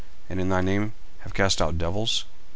and in thy name have cast out devils?